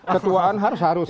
ketuaan harus harus